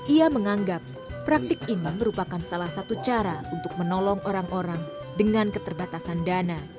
ia menganggap praktik ini merupakan salah satu cara untuk menolong orang orang dengan keterbatasan dana